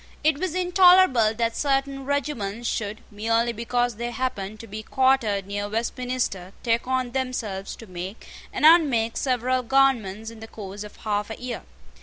It was intolerable that certain regiments should, merely because they happened to be quartered near Westminster, take on themselves to make and unmake several governments in the course of half a year.